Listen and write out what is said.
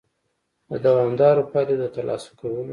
د دوامدارو پایلو د ترلاسه کولو